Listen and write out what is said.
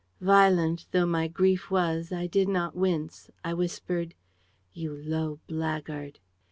"Violent though my grief was, I did not wince. I whispered: "'You low blackguard!'